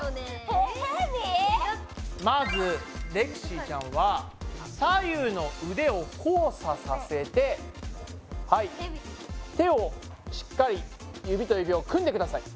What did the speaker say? まずはレクシーちゃんは左右の腕を交差させてはい手をしっかり指と指を組んでください。